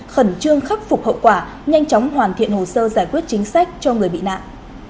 khẩn trương khắc phục hậu quả nhanh chóng hoàn thiện hồ sơ giải quyết chính sách cho người bị nạn